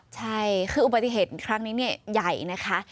ใช่คืออุบัติเหตุครั้งนี้เนี่ยใหญ่นะคะ